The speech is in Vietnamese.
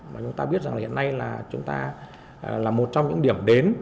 mà chúng ta biết rằng hiện nay là chúng ta là một trong những điểm đến